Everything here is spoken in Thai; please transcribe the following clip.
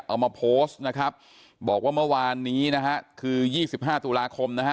เอามาโพสต์นะครับบอกว่าเมื่อวานนี้นะฮะคือ๒๕ตุลาคมนะฮะ